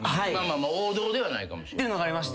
王道ではないかもしれん。